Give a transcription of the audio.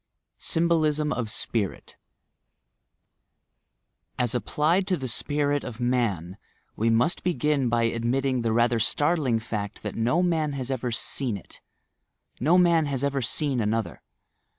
STMBOLISM OP SPIKIT I As applied to the spirit of man, we must begin by admitting the rather startling fact that no man has ever 3 104 TOUR PSYCHIC POWERS Been it, — no man has ever Been another!